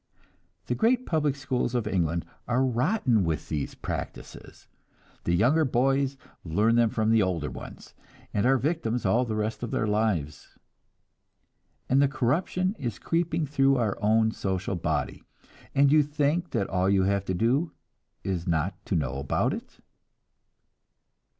The great public schools of England are rotten with these practices; the younger boys learn them from the older ones, and are victims all the rest of their lives. And the corruption is creeping through our own social body and you think that all you have to do is not to know about it!